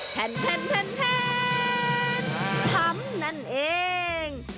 แผ่นทำนั่นเอง